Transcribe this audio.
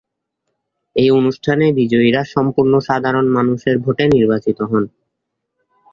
এই অনুষ্ঠানে বিজয়ীরা সম্পূর্ণ সাধারণ মানুষের ভোটে নির্বাচিত হন।